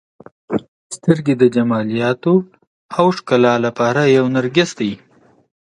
• سترګې د جمالیاتو او ښکلا لپاره یو نرګس دی.